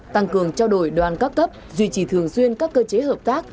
tăng cường trao đổi đoàn các cấp duy trì thường xuyên các cơ chế hợp tác